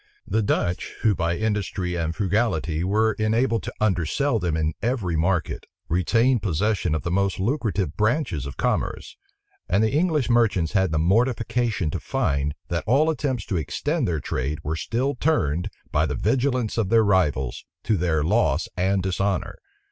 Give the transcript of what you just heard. The Dutch, who by industry and frugality were enabled to undersell them in every market, retained possession of the most lucrative branches of commerce; and the English merchants had the mortification to find, that all attempts to extend their trade were still turned, by the vigilance of their rivals, to their loss and dishonor.